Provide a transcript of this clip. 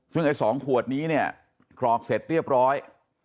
ซึ่งไอ้๒ขวดนี้เนี่ยกรอกเสร็จเรียบร้อย